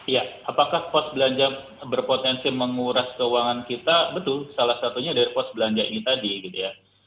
ya apakah pos belanja berpotensi menguras keuangan kita betul salah satunya dari pos belanja ini tadi gitu ya